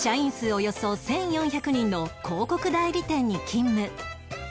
およそ１４００人の広告代理店に勤務